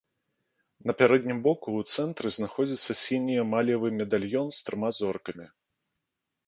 На пярэднім боку ў цэнтры знаходзіцца сіні эмалевы медальён з трыма зоркамі.